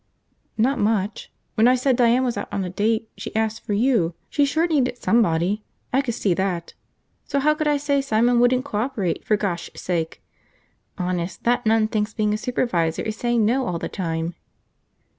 "Not much. When I said Diane was out on a date, she asked for you. She sure needed somebody, I could see that. So how could I say Simon wouldn't co operate, for gosh sake! Honest, that nun thinks being a supervisor is saying no all the time."